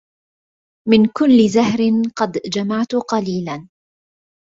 من كل زهر قد جمعت قليلا